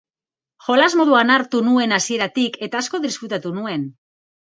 Jolas moduan hartu nuen hasieratik eta asko disfrutatu nuen.